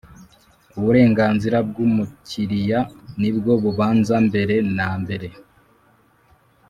Uburenganzira bw umukiriya nibwo bubanza mbere na mbere